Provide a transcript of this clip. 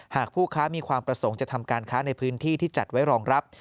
หากผู้ค้ามีความประสงค์จะทำการค้าในพื้นที่ที่จัดไว้รองรับ